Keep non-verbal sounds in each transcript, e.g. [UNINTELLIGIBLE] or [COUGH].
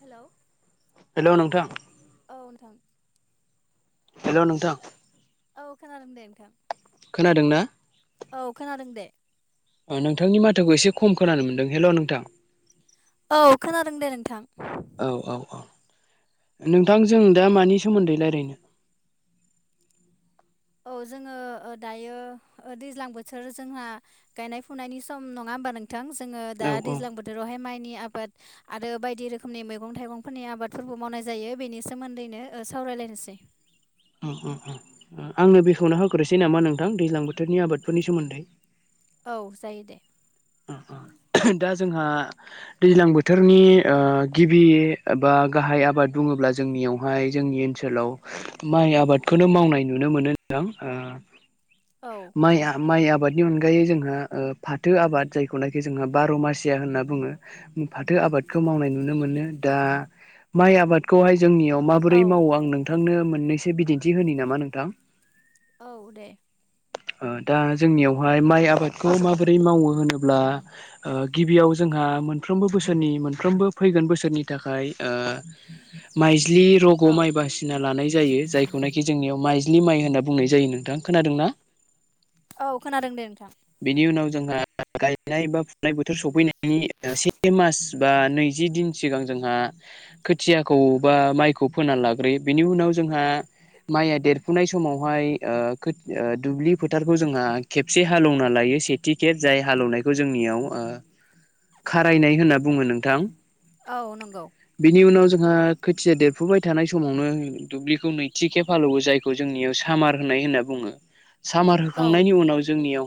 Hello हेल नोंथां औ नोंथां हेल नोंथां [UNINTELLIGIBLE] खालामदों नोंथां खोनादों ना? औ खोनादों दे नोंथांनि माथोखौ एसे खम खोनानो मोनदों हेल नोंथां औ खोनादों दे नोंथां औ औ औ नोंथांजों दा मानि सोमोन्दै रायजलायनो [INAUDIBLE] [UNINTELLIGIBLE] औ जोङो दायो दैज्लां बोथोर जोंहा गायनाय फुनायनि सम नङा होमबा नों थां जोङो औ दा औ दैज्लां बोथोरावहाय माइनि आ आबाद आरो बायदि रोखोमनि मैगं थाइगंफोरनि आबादफोरबो मावनाय जायो बेनि सोमोन्दैनो सावरायलायनाय एसेै ओ ओ आंनो बेखेवना होोग्रोसै नामा नोंथां दैज्लां बोथोरनि आबादफोरनि सोमोन्दै औ जायो दे अ अ दा जोंहा दैज्लां बोथोरनि गिबि बा गाहाय आबाद बुङो होनोब्ला जोंनियावहाय जोंनि ओनसोलाव माइ आबादखौनो मावनाय नुनो मोनोां औ माइ माइ आबादनि अनगायै जोंहा फाथो आबाद जायखौनाखि जोंहा बार मासिया होनना बुङो फाथो आबादखौ मावनाय नुनो मोनो दा माइ आबादखौहाय जोंनियाव औ माबोरै मावो आं नोंथांनो मोननैसो बिदिन्थि होनो नामा नोंथां औ दे दा जोंनियावहाय माइ आबादखौ माबोरै मावो होनोब्ला अब्ला गिबियाव जोंहा मोनफ्रोमबो बोसोरनि मोनफ्रोमबो फैगोन बोसोरनि थाखाय [UNINTELLIGIBLE] [INAUDIBLE] मज्लि रग औ माइ बासिना लानाय जायो जायखौनाखि जोंनियाव माइज्लि माइ होनना बुंनाय जायो नोंथांा खोनादोंनाा बा औ खोनादोंदे नोंथां बेनि उनाव जोंहा गायनाय बा फुनाय बोथोर सफैनायनि से मास बा नैजि दिन सिगां जोंहा खोथियाखौ बा माइखौ फोना लाग्रोयो बेनि उनाव जोंहा माइया देरफुनाय समावहाय दुब्लि फोथारखौ जोंहा खेबसे हालौवना लायो सेथि खेब जाय हालेवनायखौ जोंनियाव खारायनाय होनना बुङो नोंथां औ नंगौ बिनि उनाव जोंहा खोथिया देरफुबाय थानाय समावनो दुब्लिखौ नैथि खे फालौवो जायखौ जोंनियाव सामार होनाय होनना बुङो सामार औ होखांनायनि उनाव जोंनियाव ओ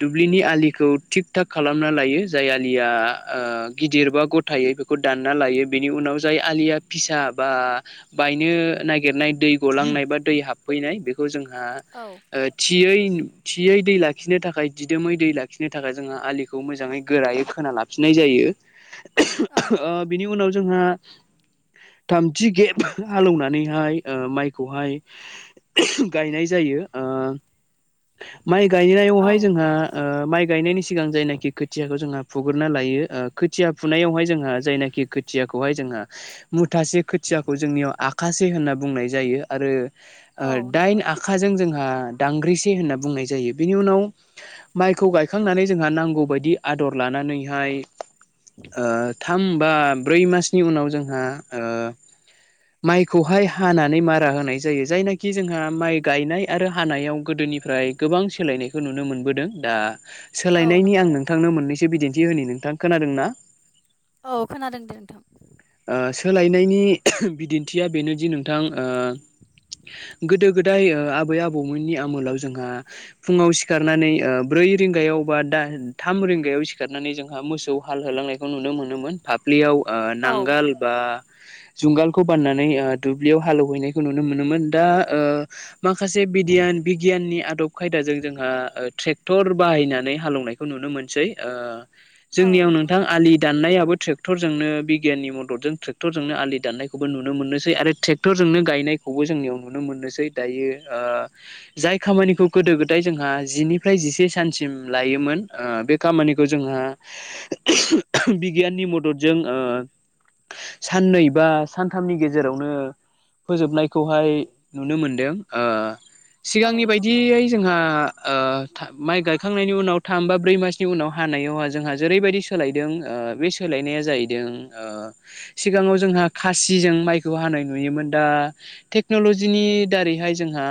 दुब्लिनि आखौ थि थ खालाम लायो जाय आलिया गिदिर बा गथायै बेखौ दानना लायो बेनि उनाव जाय आलिया फिसा बा बायनो नागिरनाय दै गलांनाय बा दै हाबफैनाय बेखौ जोंहा औ थियै थियै दै लाखिनो थाखाय दिदोमै दै लाखिनो थाखाय जोंहा आलिखौ मोजाङै गोरायै खोना लाफिननाय जायो ओ औ बिनि उनाव जोंहा थामथि गेब हालौवनानैहाय माइखौहाय गायनाय जायो ओ माइ गायनायावहाय जोंहा माइ गायनायनि सिगां जायनाखि खोथियाखौ जोंहा फुग्रना लायो खोथिया फुनायावहाय जोंहा जायनाखि खथियाखौ हाय जोंहा मुथासे खोथियाखौ जोंनियाव आखासे होनना बुंनाय जायो आरो औ दाइन नंगौ आखाजों जोंहा दांग्रिसे होनना बुंनाय जायो बेनि उनाव माइखौ गायखांनानै जोंहा नांगौबायायदि आदर लानानैहाय थाम बा ब्रै मासनि उनाव जोंहा माइखौहाय हानानै मारा होनाय जायो जायनाखि जोंहा माइ गायनाय आरो हानायाव गोदोनिफ्राय गोबां सोलायनायखौ नुनो मोनबोदों दा औ सोलायनायनि आं नंगौ नोंथांनो मोननैस एसे बिदिन्थि होनो नोंथां खोनादों ना औ खोनादों दे नोंथां ओ सोलायनायनि बिदिन्थिया बेनोदि नोंथां गोदो गोदाय आबै आबौमोननि आमोलाव जोंहा फुङाव सिखारनानै ब्रै ब्रै रिंगायाव बा द थाम रिंगायाव सिखारनानै जोंहा मोसौ हाल होलांनायखौ नुनो मोनोमोन फाफ्लियाव औ नांगाल बा जुंगालखौ बान्नानै दुब्लियाव हालेवहैनायखौ नुनो मोनोमोन दा माखासे बिगियाननि आदब खायदाजों जोंहा ट्रेक्टर बाहायनानै हालेवनायखौ नुनो मोनसै औ जोंनियाव नोंथां नंगौ आ दनाय ट्क्टनो बिगियाननि मददजों ट्रेक्टरजोंनो आलि दाननायखौबो नुनो मोनसै आरो ट्रेक्टरजोंनो गायनायखौबो जोंनियाव नुनो मोनो दायो जाय खामानिखौ गोदो गोदाय जोंहा जि निफ्राय जिसे सानसिम थायोमोन बे खामानिखौ जोंहा बिगियाननि मददजों साननै बा सानथामनि गेजेरावनो फोजोबनायखौहाय नुनो मोनदों औ सिगांनि नंगौ बायदियै जोंहा माइ गायखांनायनि उनाव थाम बा ब्रै मासनि उनाव हानायावहा जोंहा जेरैबायदि सोलायदों बे सोलायनाया जाहैदों सिगाङाव जोंहा खासिजों माइखौ हानाय नुयोमोन दा टेक्न'लजिनि दारैहाय जोंहा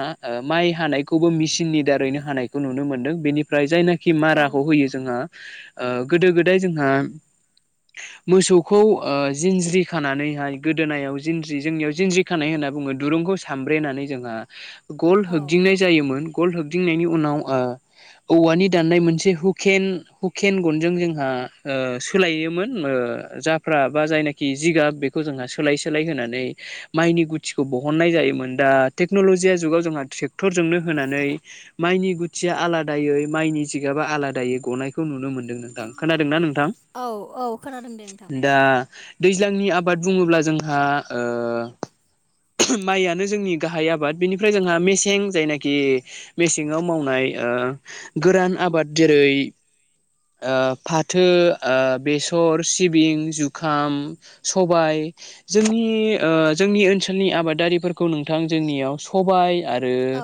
माइ हानायखौबो मिचिननि दारैनो हानायखौ नुनो मोनदों बेनिफ्राय जायनाखि औ माराखौ होयो जोंहा गोदो गोदाय जोंहा मोसौ खौ जिनज्रि खानानैहाय गोदोनायाव जिनज्रि जोंनियाव जिंनज्रि खानाय होनना बुङो दुरुंखौ साम ब्रेनानै जोंहा गल औ होगदिंनाय जायोमोन गल होबदिंनायनि उनाव औवानि दाननाय मोनसे हुकेन हुकेन गनजों जोंहा सोलायोमोन फ्रा बा जायनाखि जिगाब बेखौ जोंहा सोलाय सोलाय होनानै माइनि गुथिखौ बहननाय जायोमोन दा टेकनलजि जुगाव जोंहा ट्रेक्टर जनो होनानै माइनि गुथिया आलादायै मनि जिगाबा आलादायै गनायखौ नुनो मोनदों नोंथां खोनादों नों औ औ खोनादों दे नोंथां दा दैज्लांनि आबाद बुङोब्ला जोंहा माइयानो जोंनि गाहाय आबाद बेनिफ्राय जोंहा मेसें जायनाखि मेसेंआव मावनाय गोरान आबाद जेरै फाथो बेसर सि जुखाम सबाइ जोंनि ओनसोलनि आबादारि नोंथां जोंनि सबाइ आरो औ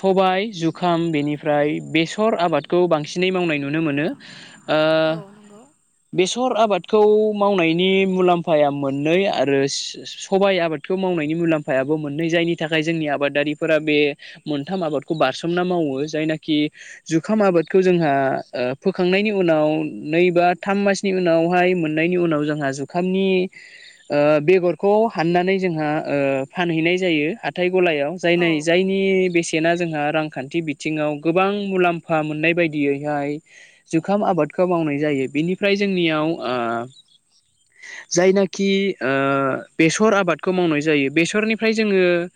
सबायाइ जुखाम बेनिफ्राय बेसर आबादखौ बांसिनै मावनाय नुनो मोनो औ नंगौ [INAUDIBLE] [INAUDIBLE] बेसर आबादखौ मावनायनि मुलाम्फाया मोननै आरो सबाय आबादखौ मावनायनि मुलाम्फायाबो मोननै जायनि थाखाय जोंनि आबादारिफोरा बे मोनथाम आबादखौ बारसोमना मावो जायना थाखाय जुखाम आबादखौ जोंहा फोखांनायनि उनाव नै बा थाम मास नि उनावहाय मोननायनि उनाव जोंहा जुखामनि बेगरखौ हाननानै जोंहा फानहैनाय जायो हाथाय गलायाव जाय औ जायनि बेसे ना जोंहा रांखान्थि बिथिङाव गोबां मुलाम्फा मोननाय बायदियैहाय जुखाम आबाद खौ मावनाय जायो बेनिफ्राय जोंनियाव जायनाखि बेसर आबादखौ मावनाय जायो बेसरनिफ्राय जोङो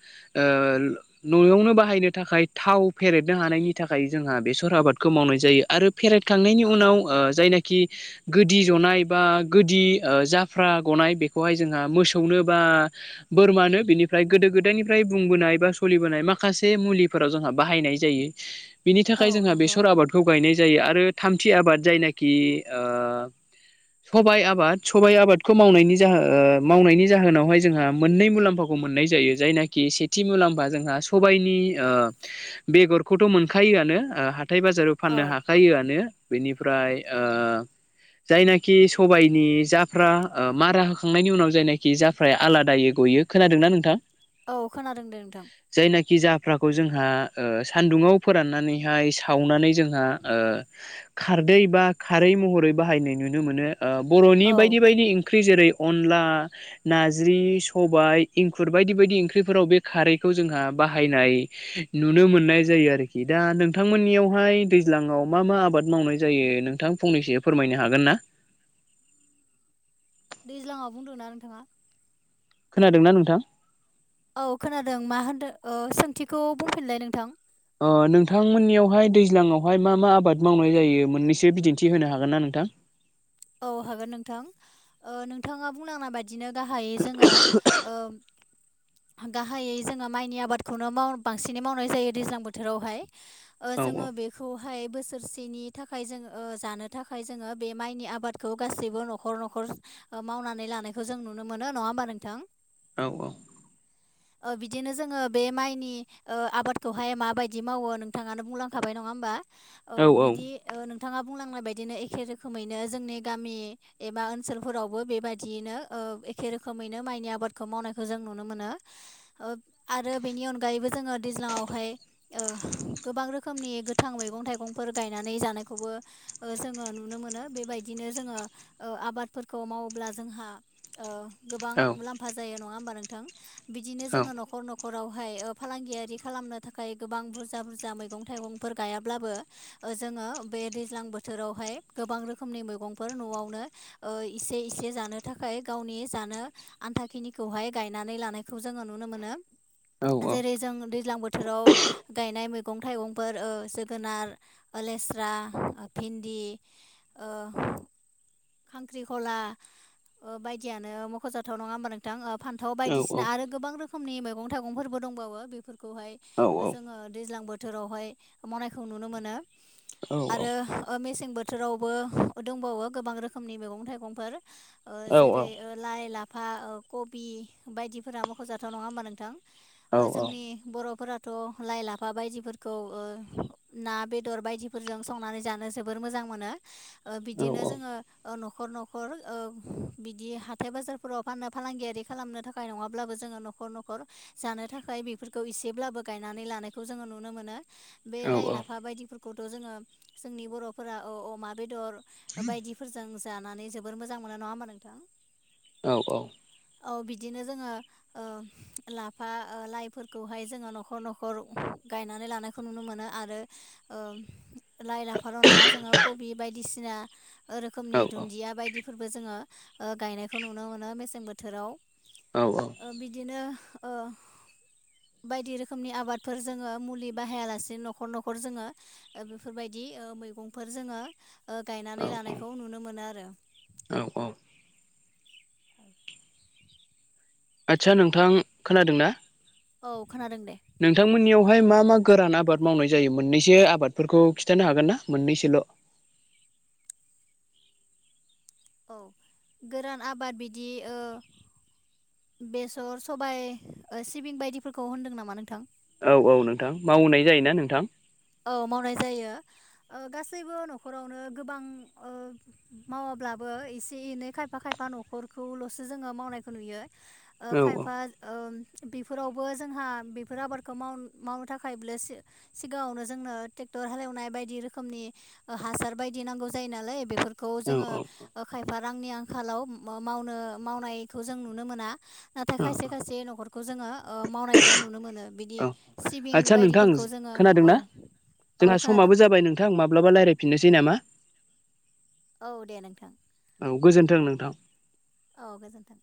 न'आवनो बाहायनो थाखाय थाव फेरेदनो हानायनि थाखाय जोंहा बेसर आबादखौ मावनाय जायो आरो फेरेबखांनायनि औ उनाव जायनाखि गोदि जनाय बा गोदि जाफ्रा गनाय बेखौहाय जोंहा मोसौनो बा बोरमानो बिनिफ्राय गोदो गोदायनिफ्राय बुंबोनाय बा सोलिबोनाय माखासे मुलिफोराव जोंहा बाहायनाय जायो बिनि औ थाखाय जोंहा नंगौ बेसर आबादखौ गायनाय जायो आरो थामथि आबाद जायनाखि ओआ थाब सबायाइ आबाद सबायाइ आबादखौ मावनायनि ओ जाहो जोहोनावहाय मावनायनि जाहोनावहाय जोंहा मोननै मुलाम्फाखौ मोनो मोननाय जायो जायनोको सेथि मुलाम्फा जोंहा सबायनि बेगरखौथ मोनखायो हाथाय बाजाराव औ फाननो हाखायोआनो बेनिफ्राय औ ओ जायनाखि सबायनि जाफ्रा मारा होखांनायनि उनाव जायनोखि जाफाया आलादायै गयो खोनादोंना नोंथां औ खोनादों दे नोंथां खि जाफ्राखौ जोंहा ओ सान्दुुंाव फोराननानैहाय सावनानै जोंहा ओ खारदै बा खारै महरै बाहायनाय नुनो मोनो ओ बर' नि औ बायदि बायदि ओंख्रि जेरै अनला नारजि सबाय ओंख्रि बायदि बायदि ओंख्रिफोराव बे खारैखौ जोंहा बाहायनाय नुनो मोननाय जायो आरोखि दा नोंथांमोननियावहाय दैज्लायाव मा मा आबाद मावनाय जायो नोंथां फंनैसो फोरमायनो हागोन ना? दैज्लाङाव बुंदों ना नोंथाङा खोनादोंना नोंथां औ खोनादों मा होनदों ओ सोंथिखौ बुंफिनलाय नोंथां ओ नोंथांमोननियावहाय दैज्लाङावहाय मा मा आबाद मावनाय जायो मोन्नैसो बिदिन्थि होनो हागोन ना नोंथां [INAUDIBLE] औ हागोन नोंथां ओ नोंथाङा बुंलांनाय बाय दिनो गाहायै जोङो ओम गाहायै जोङो माइनि आबादखौनो माव बांसिनै मावनाय जायो दैज्लां बोथोरावहाय ओ औ औ जोङो बेखौ हाय बोसोरसेनि थाखाय जों ओ जानो थाखाय जोङो बे माइनि आ बादखौ गासैबो नखर नखर मावनानै लानायखौ जों नुनो मोनो नङा होमबा नोंथां औ औ ओ बिदिनो जोङो बे माइनि ओ आबादखौहाय माबायदि मावो नोंथाङानो बुंलांखाबाय नङा होमबा। औ बिदि ओ नोंथाङा बुंलांनाय बायदिनो एखे रोखोमैनो जोंनि गामि एबा ओनसोलफोरावबो बेबायदियैनो ओ एखे रोखोमैनो माइनि आबादखौ मावनायखौ जों नुनो मोनो ओ आरो बेनि अनगायैबो जोङो दैज्लांयावहाय ओ गो बां रोखोमनि गोथां मैगं-थाइगंफोर गायनानै जानायखौबो जोङो नुनो मोनो ओ बेबायदि बिदिनो जोङो ओ आबादफोरखौ मावोब्ला जोंहा ओ गोबां औ मुलाम्फा जायो नङा होमबा नोंथां बिदिनो जोङो नखर न खरावहाय ओ फालांगियारि खालामनो थाखाय गोबां बुरजा बुरजा मैगं-थाइगंफोर गायाब्लाबो जोङो बे दैज्लां बोथोरावहाय गोबां रोखोमनि मै गंफोर न'आवनो इसे इसे जानो थाखाय गावनि जानो आन्थााखिनिखौहाय गाय गायनानौ लानायखौ जोंयो नुनो मोनो औ जेरै जों दैज्लां बोथोराव गायनाय मैगं-थाइगंफोर ओ जोगोनार लेस्रा-भेन्दि इ ओ खांख्रिखला ओ बायदियानो मख जाथाव नङा होमबा नोंथां ओ फान्थाव औ बायदिसिना आरो गोबां रोखोमनि मैगं थाइगंफोरबो दंबावो बेफोर औ [INAUDIBLE] औ आरो मेसें ओ बोथोरावबो दंबावो गोबां रोखोमनि मैगं-थाइगंफोर ओ औ औ जेरै औ लाइ, लाफा, कबि बायदिफोरा मख जाथाव नङा होमबा नोंथां। ओ जोंनि बर' फोरा थ' लाइ, लाफा बायदिफोरखौ ओ ना बेदर बायदिफोरजों संनानै जानो जोबोर मोजां थां मोना बिदिनो जोङो नखर नखर ओ बिदि हाथाय बाजारफोराव फाननो फालांगियारि खालामनो थाखाय नङाब्लाबो जों जोङो नखर नखर जानो थाखाय बेफोरखौ एसेब्लाबो गायनानै लानायखौ जोङो नुनो मोनो। बे लाइ, लाफा बायदिफोरखौथ जोङो जोंनि बर'फोरा अ-अ-अमा बेदर। बायदिफोरजों जानानै जोबोर मोजां मोनो नङा होमबा नोंथां औ औ औ बिदिनो जोङो ओ लाफा ओ लाइफोरखौहाय जोङो न'खर न'खर गायनानै लानायखौ नुनो मोनो आरो ओ लाइ लाफाल' नङा जोङो कबि बायदिसिना रोखोमनि दुन्दिया बायदि फोरबो जोङो ओ गायनायखौ नुनो मोनो मेसें बोथोराव ओ बिदिनो ओ [INAUDIBLE] बायदि रोखोमनि आबादफोर जोङो मुलि बाहायालासेनो न'खर न'खर जोङो बेफोरबायदि नि ओ मैगंफोर जोङो ओ गायनानै लानायखौ नुनो मोनो आरो आदसा नोंथां खोनादों ना औ खोनादों दे नोंथांमोननियावहाय मा मा गोरान आबाद मावनाय जायो मोननैसो आबादफोरखौ खिन्थानो हागोन ना मोननैसो हेल' औ गोरान आबाद बिदि ओ बेसर, सबाय ओ सिबिं बायदिफोरखौ होनदों नामा नोंथां औ- औ नोंथां मावनाय जायोना नोंथां मावनाय जायो गासैबो न'खरावनो गोबां मावाब्लाबो एसे -एनै खायफा खायफा न'खरखौल'सो जोङो मावनायखौ नुयो ओ खायफा ओ बेफोरावबो जोंहा बेफोर आबादखौ माव मावनो थाखाय सिगाङावनो जोंनो ट्रेक्टर हालेवनाय बायदि रोखोमनि हासार बायदि नांगौ जायो नालाय बे खौ जोङो औ-औ-औ-औ-औ-औ ओ खायफा रांनि आंखालाव मावनो मावनायखौ जों नुनो मोना नाथाय खायसे खायसे न'खरखौ जोङो ओ मावनायखौ नुनो मोनो बिदि सिबिं आदसा नोंथां बायदिफोरखौ खौ जोङो खोनादोंना औ औ जोंहा खोनादों समाबो जाबाय नोंथां माब्लाबा रायज्लायफिननोसै नामा औ दे नोंथां औ गोजोन्थों नोंथां औ गोजोन्थों